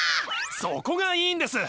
そこがいいんです！